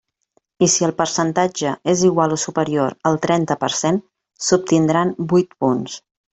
I si el percentatge és igual o superior al trenta per cent s'obtindran vuit punts.